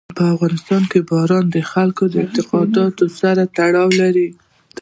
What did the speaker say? په افغانستان کې باران د خلکو د اعتقاداتو سره تړاو لري.